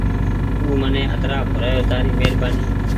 تو مني اترآن کورآيو تآري مهربآني